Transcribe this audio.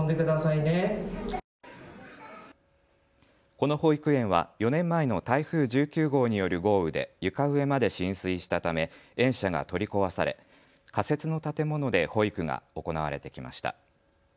この保育園は４年前の台風１９号による豪雨で床上まで浸水したため園舎が取り壊され仮設の建物で保育が行われてきました。